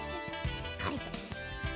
しっかりと。